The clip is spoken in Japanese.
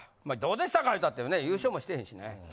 まあどうでしたか言ったってね優勝もしてへんしね。